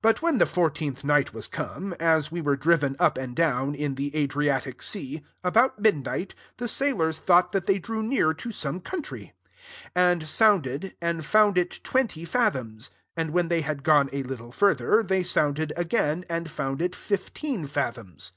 27 But when the fourteenth night was come, as we were driven up and down, in the Adriatic «fa, about midnight, the sailors thought that they drew near to some country; 28 and sounded, and found it twenty fathoms : and, when they had gone a little further, they sounded again, and found it fifteen fathoms.